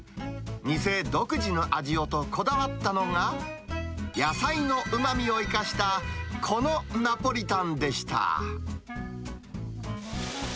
店独自の味をとこだわったのが、野菜のうまみを生かしたこのナポリタンでした。